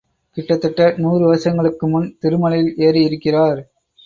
கிட்டத்தட்ட நூறு வருஷங்களுக்கு முன் திருமலையில் ஏறி இருக்கிறார்.